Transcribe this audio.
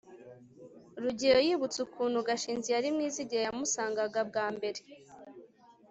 rugeyo yibutse ukuntu gashinzi yari mwiza igihe yamusangaga bwa mbere